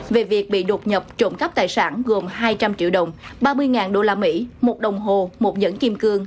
về việc bị đột nhập trộm cắp tài sản gồm hai trăm linh triệu đồng ba mươi đô la mỹ một đồng hồ một nhẫn kim cương